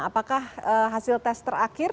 apakah hasil tes terakhir yang lebih positif